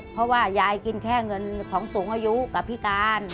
เพราะว่ายายกินแค่เงินของสูงอายุกับพิการ